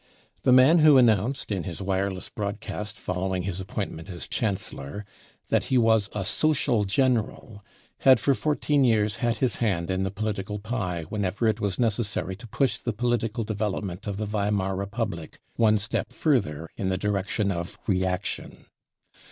The mail who announced, in his wireless broadcast fol lowing his appointment as Chancellor, that he was a " social general," had for fourteen years had his hand in the political pie whenever it was necessary to push the political development of the Weimar Republic one step further in the direction of reaction.